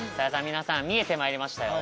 皆さん見えてまいりましたよ